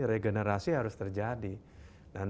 regenerasi harus terjadi dan